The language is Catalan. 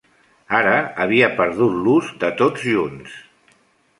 Ara havia perdut l'ús de tots junts.